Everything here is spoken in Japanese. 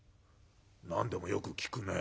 「何でもよく聞くねぇ。